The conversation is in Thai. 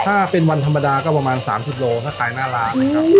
ถ้าเป็นวันธรรมดาก็ประมาณ๓๐โลถ้าตายหน้าร้านนะครับ